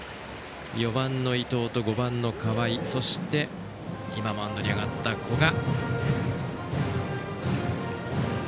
４番の伊藤と５番の河合そして今マウンドに上がった古賀。